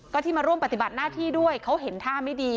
ก็ที่มาร่วมปฏิบัติหน้าที่ด้วยเขาเห็นท่าไม่ดี